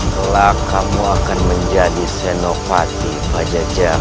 belakangmu akan menjadi senopati bajajah